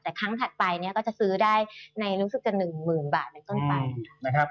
แต่ครั้งถัดไปก็จะซื้อได้ในรู้สึกจะ๑หมื่นบาทในต้นไป